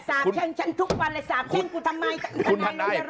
สาบเช่นฉันทุกวันแหละสาบเช่นกูทำไม